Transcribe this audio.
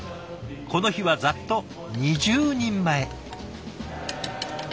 この日はざっと２０人前。